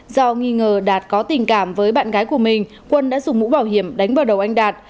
do nghi ngờ đạt có tình cảm với bạn gái của mình quân đã dùng mũ bảo hiểm đánh vào đầu anh đạt